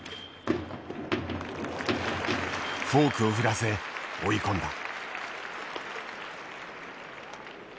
フォークを振らせ追い込んだ。